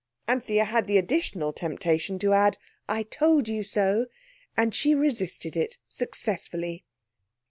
Anthea had the additional temptation to add, "I told you so." And she resisted it successfully.